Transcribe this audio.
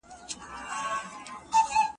په خپله مځکه یم روان، په خپلو پښو یم روان